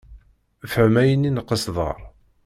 Fhem ayen i n-qesdeɣ.